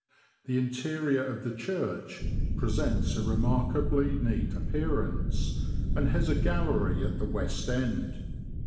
The interior of the church presents a remarkably neat appearance, and has a gallery at the west end.